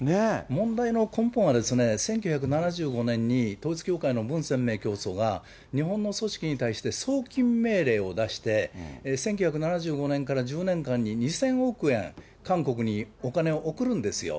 問題の根本は、１９７５年に統一教会の文鮮明教祖が、日本の組織に対して送金命令を出して、１９７５年から１０年間に２０００億円、韓国にお金を送るんですよ。